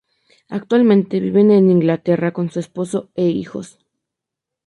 Actualmente vive en Inglaterra con su esposo e hijos.